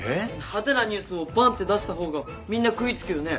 派手なニュースをバンッて出した方がみんな食いつくよね？